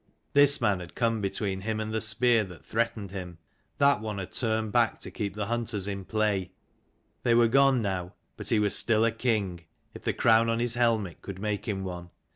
This man had come between him and the spear that threatened him : that one had turned back to keep the hunters in play. They were gone now: but he was still a king, if the crown on his helmet could make him one.